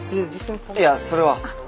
いやそれは。